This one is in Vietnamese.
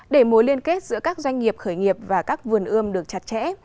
để mối liên kết giữa các doanh nghiệp khởi nghiệp và các vườn ươm được chặt chẽ